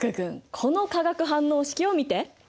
この化学反応式を見て！